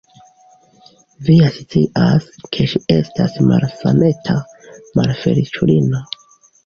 Vi ja scias, ke ŝi estas malsaneta, malfeliĉulino!